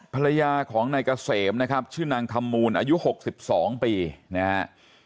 ภรรยาของนายเกษมนะครับชื่อนางคำมูลอายุ๖๒ปีนะฮะ